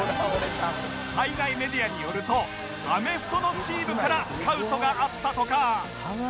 海外メディアによるとアメフトのチームからスカウトがあったとか